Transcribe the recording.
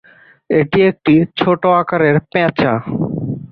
এটি একটি ছোটো আকারের পেঁচা।